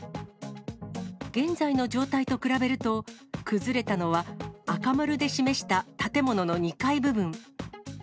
現在の状態と比べると、崩れたのは赤丸で示した建物の２階部分。